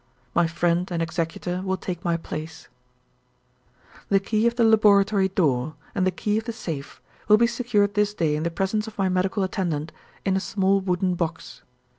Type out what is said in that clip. My friend and executor will take my place. "'The key of the laboratory door, and the key of the safe, will be secured this day in the presence of my medical attendant, in a small wooden box.